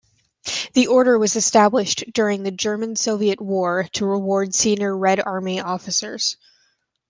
The Order was established during the German-Soviet War to reward senior Red Army officers.